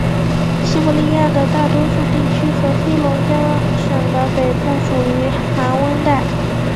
西伯利亚的大多数地区和黑龙江省的北部属于寒温带。